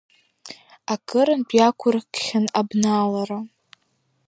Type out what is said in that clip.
Акырынтә иақәыркхьан абналара.